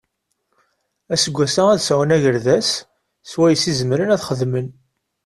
Aseggas-a ad sɛun agerdas swayes i zemren ad xedmen.